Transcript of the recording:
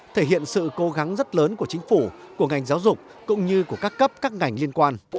thể hiện sự cố gắng rất lớn của chính phủ của ngành giáo dục cũng như của các cấp các ngành liên quan